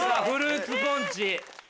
フルーツポンチ